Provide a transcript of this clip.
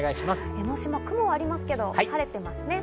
江の島、雲はありますけど、晴れてますね。